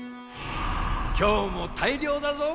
今日も大漁だぞ。